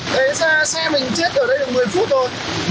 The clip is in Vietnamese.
thế ra xe mình chết ở đây được một mươi phút thôi